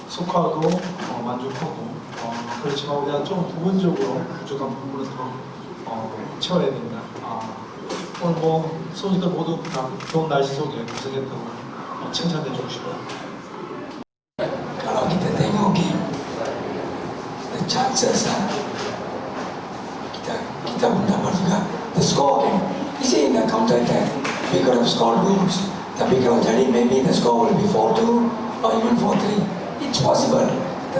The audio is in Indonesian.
sampai jumpa di video selanjutnya